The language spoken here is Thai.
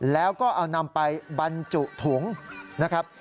แล้วก็เอานำไปบรรจุถุงนะครับ